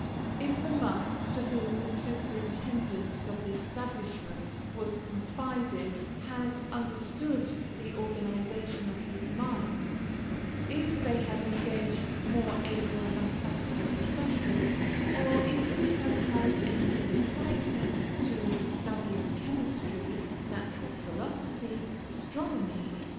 If the monks to whom the superintendence of the establishment was confided had understood the organisation of his mind, if they had engaged more able mathematical professors, or if we had had any incitement to the study of chemistry, natural philosophy, astronomy, etc.